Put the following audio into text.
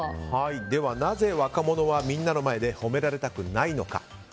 ではなぜ若者はみんなの前で褒められたくないのか。